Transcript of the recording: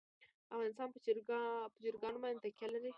افغانستان په چرګان باندې تکیه لري.